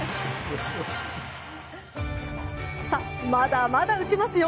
さあ、まだまだ打ちますよ。